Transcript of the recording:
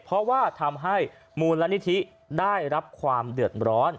เพราะว่าทำให้มูลนิธิได้รับความเดือดร้อน